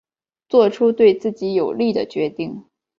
做出对自己有利的决定